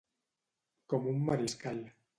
Com un mariscal.